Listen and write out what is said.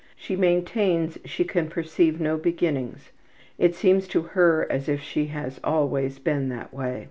She maintains she can perceive no beginnings. It seems to her as if she has always been that way.